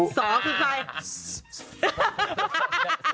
สกูใกล้